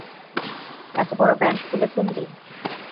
এতবড় band খুলে ফেললি।